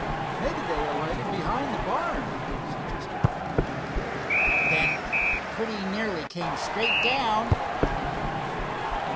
"Mebbe they alighted behind the barn," suggested the farmer. "Then they pretty nearly came straight down," declared Hiram.